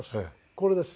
これです。